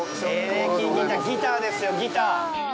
エレキギター、ギターですよ、ギター。